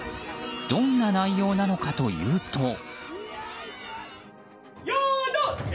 どんな内容なのかというと。